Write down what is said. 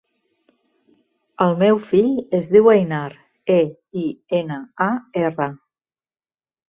El meu fill es diu Einar: e, i, ena, a, erra.